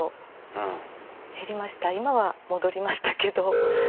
今は戻りましたけど。